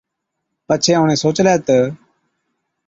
پڇي اُڻهين سوچلَي تہ،